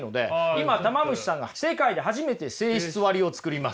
今たま虫さんが世界で初めて性質割を作ります。